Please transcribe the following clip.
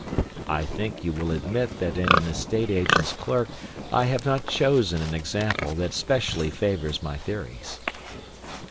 I think you will admit that in an estate agent's clerk I have not chosen an example that specially favours my theories.